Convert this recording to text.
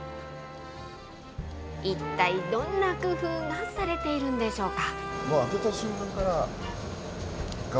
一体どんな工夫がされているんでしょうか。